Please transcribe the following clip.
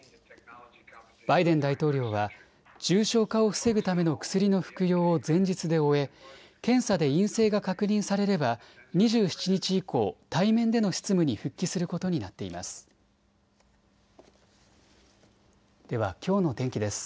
バイデン大統領は重症化を防ぐための薬の服用を前日で終え検査で陰性が確認されれば２７日以降、対面での執務に復帰することになっています。